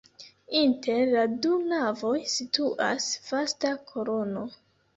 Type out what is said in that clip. Inter la du navoj situas vasta kolono.